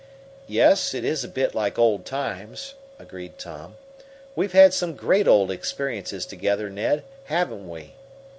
"Yes, it is a bit like old times," agreed Tom. "We've had some great old experiences together, Ned, haven't we?"